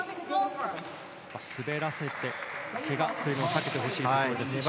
滑らせて、けがというのは避けてほしいところですが。